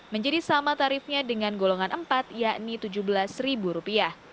menjadi sama tarifnya dengan golongan empat yakni rp tujuh belas